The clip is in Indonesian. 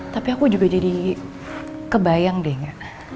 tapi aku juga jadi kebayang deh